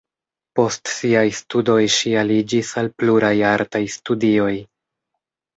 Post siaj studoj ŝi aliĝis al pluraj artaj studioj.